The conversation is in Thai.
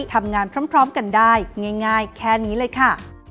ทำงานพร้อมกันได้ง่ายแค่นี้เลยค่ะ